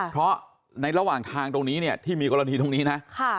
เพราะในระหว่างทางตรงนี้เนี่ยที่มีกรณีตรงนี้นะ